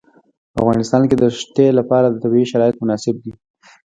په افغانستان کې د ښتې لپاره طبیعي شرایط مناسب دي.